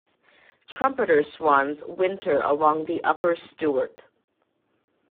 Trumpeter swans winter along the upper Stuart.